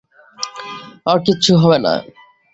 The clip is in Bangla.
ওর কিচ্ছু হবে না।